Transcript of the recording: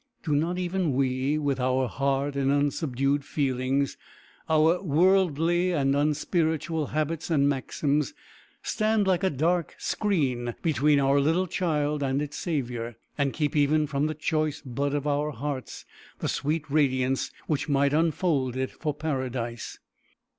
Do not even we, with our hard and unsubdued feelings, our worldly and unspiritual habits and maxims, stand like a dark screen between our little child and its Saviour, and keep even from the choice bud of our hearts the sweet radiance which might unfold it for paradise?